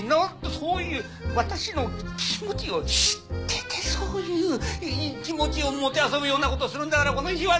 そういう私の気持ちを知っててそういう気持ちを弄ぶようなことするんだからこの意地悪！